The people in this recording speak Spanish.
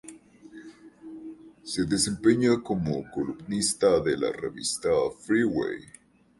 Se desempeña como columnista de la Revista "Freeway".